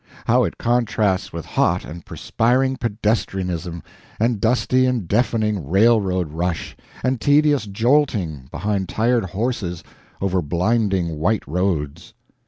How it contrasts with hot and perspiring pedestrianism, and dusty and deafening railroad rush, and tedious jolting behind tired horses over blinding white roads!